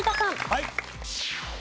はい。